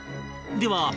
では